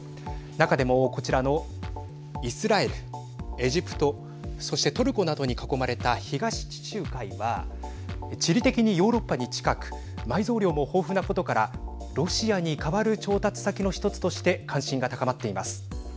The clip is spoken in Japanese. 中でも、こちらのイスラエル、エジプトそしてトルコなどに囲まれた東地中海は地理的にヨーロッパに近く埋蔵量も豊富なことからロシアに代わる調達先の一つとして関心が高まっています。